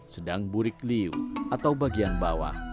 sedang burik liu atau bagian bawah adalah tempat hewan